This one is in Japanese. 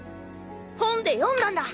本で読んだんだ。